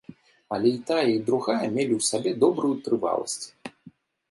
Але і тая, і другая мелі ў сабе добрую трываласць.